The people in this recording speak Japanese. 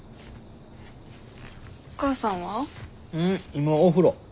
今お風呂。